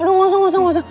aduh gak usah gak usah